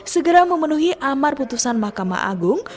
segera memenuhi amar putusan mahkamah agung